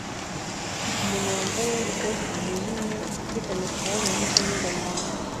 Umuntu wambaye ikoti yijimye ufite maquillage nyinshi agenda mumuhanda